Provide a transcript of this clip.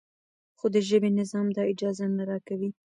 خو د ژبې نظام دا اجازه نه راکوي.